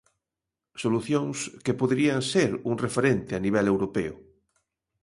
Solucións que poderían ser un referente a nivel europeo.